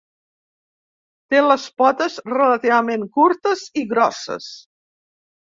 Té les potes relativament curtes i grosses.